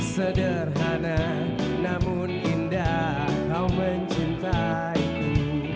sederhana namun indah kau mencintaiku